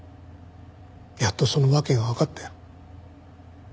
やっとその訳がわかったよ。